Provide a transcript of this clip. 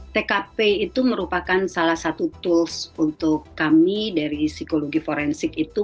tkp itu merupakan salah satu tools untuk kami dari psikologi forensik itu